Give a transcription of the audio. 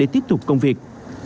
tiếp tục công việc